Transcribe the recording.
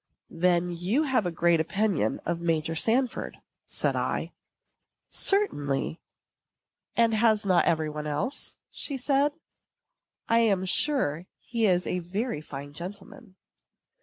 "Then you have a great opinion of Major Sanford," said I. "Certainly; and has not every body else?" said she. "I am sure he is a very fine gentleman."